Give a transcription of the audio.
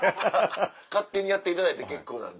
勝手にやっていただいて結構なんで。